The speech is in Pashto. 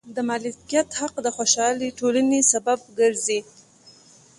د مالکیت حق د خوشحالې ټولنې سبب ګرځي.